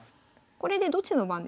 これでどっちの番ですか？